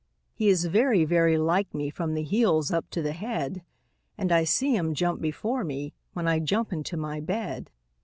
He is very, very like me from the heels up to the head; And I see him jump before me, when I jump into my bed.